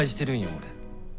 俺。